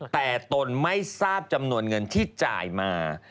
แต่ตนไม่ทราบจำนวนเงินที่จ่ายมา